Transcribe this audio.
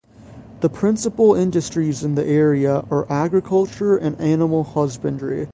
The principal industries in the area are agriculture and animal husbandry.